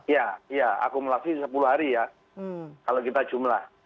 ya ya akumulasi sepuluh hari ya kalau kita jumlah